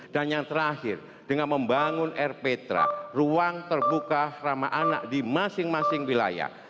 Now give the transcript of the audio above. dan yang terakhir dengan membangun rptra ruang terbuka rumah anak di masing masing wilayah